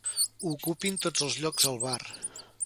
Ocupin tots els llocs al bar.